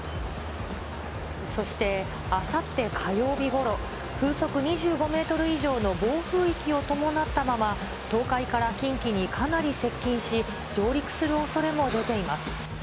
そして、あさって火曜日ごろ、風速２５メートル以上の暴風域を伴ったまま、東海から近畿にかなり接近し、上陸するおそれも出ています。